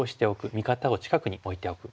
味方を近くに置いておく。